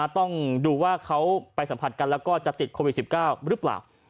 ต้องดูว่าเขาไปสัมผัสกันแล้วก็จะติดโควิด๑๙หรือเปล่า